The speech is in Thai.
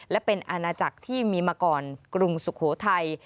และเป็นอาณาจักรที่มีมาก่อนกรุงสุโขทัย